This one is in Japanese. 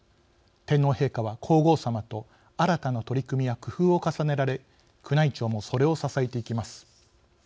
天皇陛下は、皇后さまと新たな取り組みや工夫を重ねられ宮内庁もそれを支えていきます。